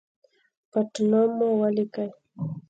پټنوم مو ولیکئ